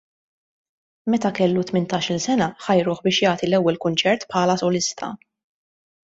Meta kellu tmintax-il sena ħajruh biex jagħti l-ewwel kunċert bħala solista.